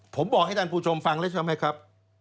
ผมบอกให้ท่านผู้ชมฟังเลยใช่ไหมครับ